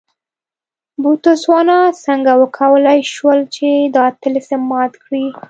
بوتسوانا څنګه وکولای شول چې دا طلسم مات کړي.